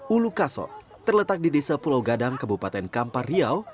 ulu kasok terletak di desa pulau gadang kebupaten kampar riau